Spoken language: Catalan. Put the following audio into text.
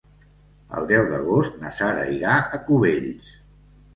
El deu d'agost na Sara irà a Cubells.